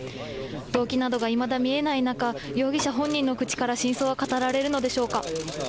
動機などがいまだ見えない中、容疑者本人の口から真相は語られるのでしょうか。